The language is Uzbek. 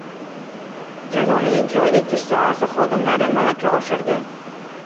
Jazoni ijro etish sohasi xodimlari malaka oshirdi